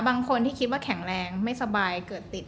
บางคนที่คิดว่าแข็งแรงไม่สบายเกิดติด